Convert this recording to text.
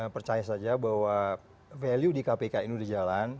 percaya saja bahwa value di kpk ini sudah jalan